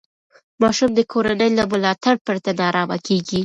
ماشوم د کورنۍ له ملاتړ پرته نارامه کېږي.